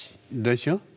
でしょ。